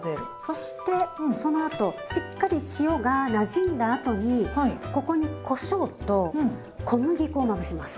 そしてそのあとしっかり塩がなじんだあとにここにこしょうと小麦粉をまぶします。